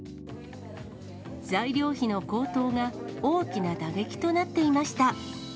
材料費の高騰が、大きな打撃となっていました。